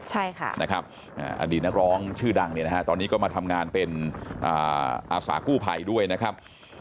ใช่ค่ะอันนี้นักร้องชื่อดังตอนนี้ก็มาทำงานเป็นอาศากู้ภัยด้วยนะครับ